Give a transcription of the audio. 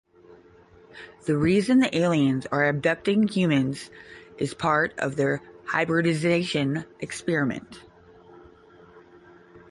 The reason the aliens are abducting humans is part of their hybridization experiment.